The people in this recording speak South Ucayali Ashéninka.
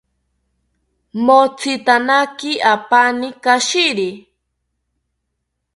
Motzitanaki apani kashiri